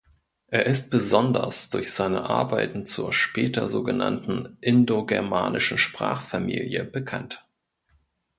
Er ist besonders durch seine Arbeiten zur später so genannten indogermanischen Sprachfamilie bekannt.